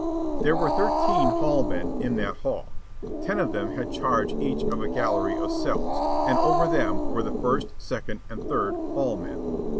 There were thirteen hall men in that hall. Ten of them had charge each of a gallery of cells, and over them were the First, Second, and Third Hall men.